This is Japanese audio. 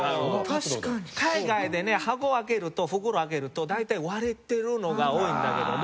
海外でね箱開けると袋開けると大体割れてるのが多いんだけども。